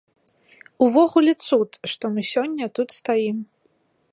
Увогуле цуд, што мы сёння тут стаім.